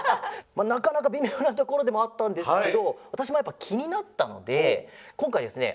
なかなかびみょうなところでもあったんですけどわたしもやっぱきになったのでこんかいですね